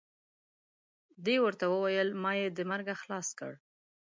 دې ورته وویل ما یې د مرګه خلاص کړ.